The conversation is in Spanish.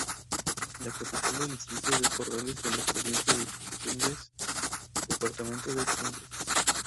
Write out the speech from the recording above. Es capital del distrito de Corrales en la provincia de Tumbes, departamento de Tumbes.